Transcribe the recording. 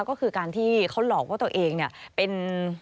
ก็คือการที่เขาหลอกว่าตัวเองเนี่ยเป็น